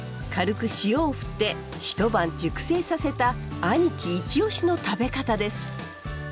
軽く塩をふって一晩熟成させた兄貴イチオシの食べ方です！